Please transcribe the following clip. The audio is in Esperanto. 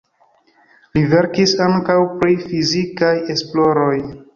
Li verkis ankaŭ pri fizikaj esploroj.